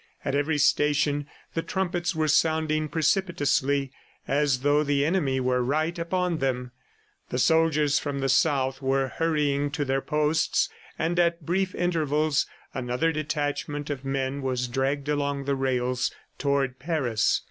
At every station, the trumpets were sounding precipitously as though the enemy were right upon them. The soldiers from the South were hurrying to their posts, and at brief intervals another detachment of men was dragged along the rails toward Paris.